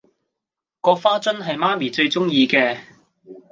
嗰花樽係媽咪最鍾意嘅